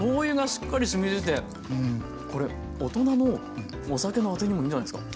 これ大人のお酒のあてにもいいんじゃないですか？